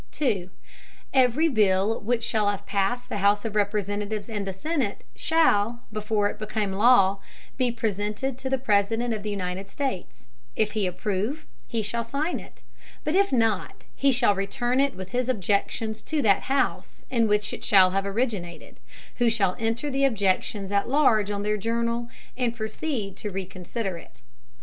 Every Bill which shall have passed the House of Representatives and the Senate, shall, before it become a Law, be presented to the President of the United States; If he approve he shall sign it, but if not he shall return it, with his Objections, to that House in which it shall have originated, who shall enter the Objections at large on their Journal, and proceed to reconsider it.